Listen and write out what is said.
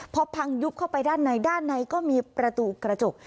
พอพังยุบเข้าไปด้านในด้านในก็มีประตูกระจก